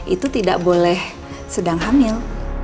itu tidak boleh sedang hamil